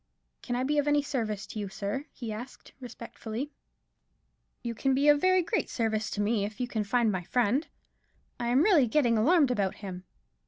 "Can I be of any service to you, sir?" he asked, respectfully. "You can be of very great service to me, if you can find my friend; I am really getting alarmed about him."